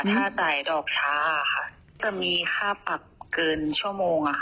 ถ้าจ่ายดอกช้าจะมีค่าปรับเกินชั่วโมง